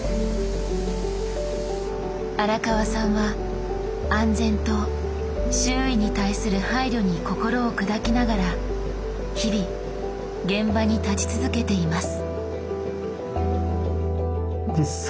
荒川さんは安全と周囲に対する配慮に心を砕きながら日々現場に立ち続けています。